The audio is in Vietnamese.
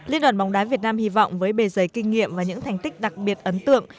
liên đoàn bóng đá việt nam hy vọng với bề giấy kinh nghiệm và những thành tích đặc biệt ấn tượng